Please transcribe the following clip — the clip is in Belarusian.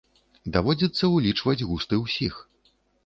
Даводзіцца ўлічваць густы ўсіх.